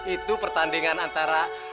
itu pertandingan antara